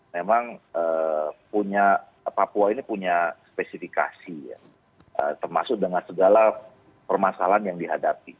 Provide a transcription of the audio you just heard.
memang papua ini punya spesifikasi termasuk dengan segala permasalahan yang dihadapi